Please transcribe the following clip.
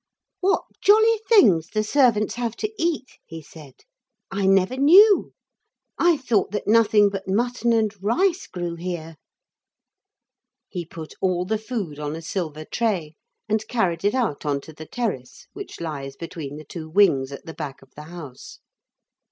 'What jolly things the servants have to eat,' he said. 'I never knew. I thought that nothing but mutton and rice grew here.' He put all the food on a silver tray and carried it out on to the terrace, which lies between the two wings at the back of the house.